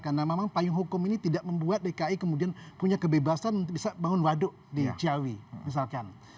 karena memang payung hukum ini tidak membuat dki kemudian punya kebebasan untuk bisa bangun waduk di ciawi misalkan